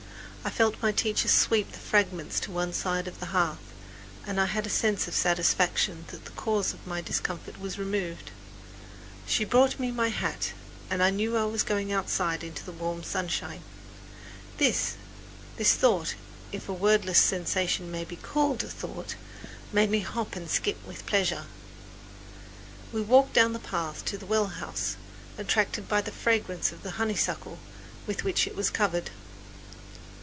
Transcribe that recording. I felt my teacher sweep the fragments to one side of the hearth, and I had a sense of satisfaction that the cause of my discomfort was removed. She brought me my hat, and I knew I was going out into the warm sunshine. This thought, if a wordless sensation may be called a thought, made me hop and skip with pleasure. We walked down the path to the well house, attracted by the fragrance of the honeysuckle with which it was covered.